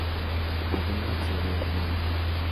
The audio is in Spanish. Madero accedió una vez más.